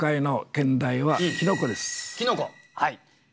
はい。